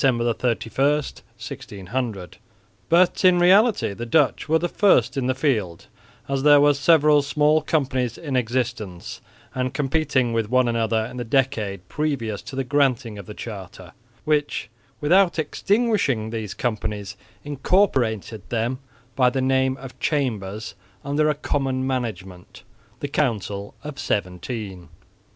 31, 1600), but in reality the Dutch were the first in the field, as there were several small companies in existence and competing with one another in the decade previous to the granting of the charter, which without extinguishing these companies incorporated them by the name of chambers under a common management, the Council of Seventeen.